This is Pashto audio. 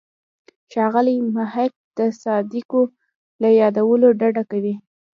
ښاغلی محق د مصادقو له یادولو ډډه کوي.